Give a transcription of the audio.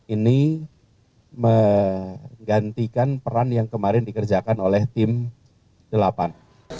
ini menggantikan peran yang kemarin dikerjakan oleh tim delapan